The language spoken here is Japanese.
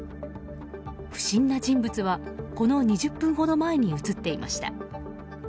不審な人物はこの２０分ほど前に映っていました。